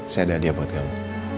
saya ada dia buat kamu